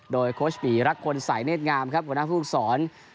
โดยโค้ชปีรักพลสายเนธงามครับหัวหน้าภูมิสอน